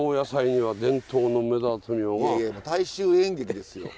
いやいや大衆演劇ですよ。